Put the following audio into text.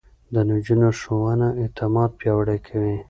د نجونو ښوونه اعتماد پياوړی کوي.